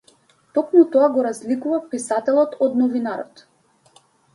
Токму тоа го разликува писателот од новинарот.